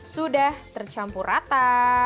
sudah tercampur rata